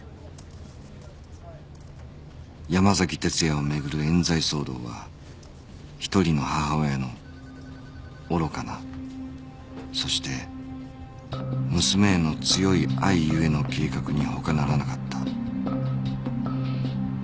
山崎哲也を巡る冤罪騒動は１人の母親の愚かなそして娘への強い愛ゆえの計画に他ならなかった